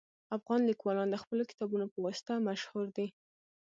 افغان لیکوالان د خپلو کتابونو په واسطه مشهور دي